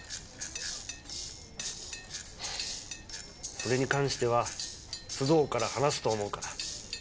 それに関しては須藤から話すと思うから。